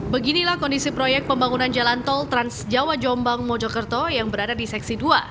beginilah kondisi proyek pembangunan jalan tol trans jawa jombang mojokerto yang berada di seksi dua